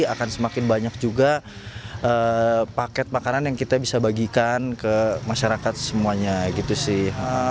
akan semakin banyak juga paket makanan yang kita bisa bagikan ke masyarakat semuanya gitu sih